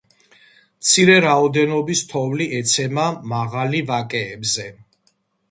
მცირე რაოდენობის თოვლი ეცემა მაღალი ვაკეებზე.